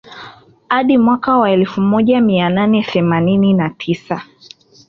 Hadi mwaka wa elfu moja mia nane themanini na tisa